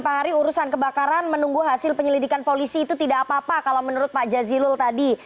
pak hari urusan kebakaran menunggu hasil penyelidikan polisi itu tidak apa apa kalau menurut pak jazilul tadi